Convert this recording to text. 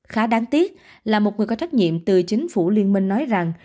khá đáng tiếc là một người có trách nhiệm từ chính phủ liên minh nói rằng